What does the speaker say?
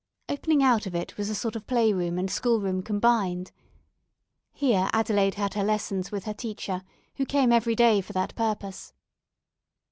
Opening out of it was a sort of play room and schoolroom combined. Here Adelaide had her lessons with her teacher, who came every day for that purpose.